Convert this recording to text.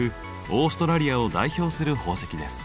オーストラリアを代表する宝石です。